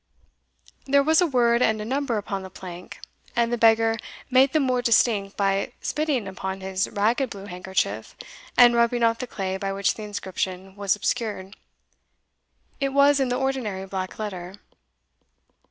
There was a word and a number upon the plank, and the beggar made them more distinct by spitting upon his ragged blue handkerchief, and rubbing off the clay by which the inscription was obscured. It was in the ordinary black letter.